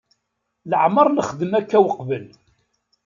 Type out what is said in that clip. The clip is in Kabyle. Leɛmeṛ nexdem akka weqbel.